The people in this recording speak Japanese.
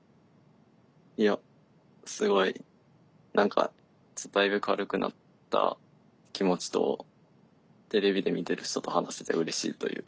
いやすごい何かだいぶ軽くなった気持ちとテレビで見てる人と話せてうれしいという。